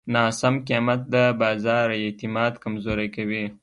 ناسم قیمت د بازار اعتماد کمزوری کوي.